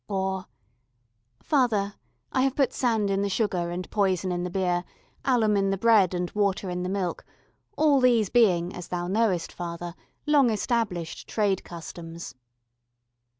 Or "Father, I have put sand in the sugar and poison in the beer, alum in the bread and water in the milk, all these being, as Thou knowest, Father, long established trade customs."